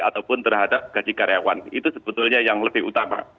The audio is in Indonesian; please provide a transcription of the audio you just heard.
ataupun terhadap gaji karyawan itu sebetulnya yang lebih utama